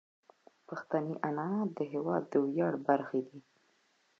پښتني عنعنات د هیواد د ویاړ برخه دي.